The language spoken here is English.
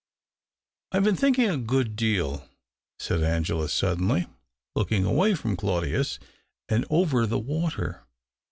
" I have been thinking a good deal," said mgela, suddenly, looking away from Claudius, nd over the water.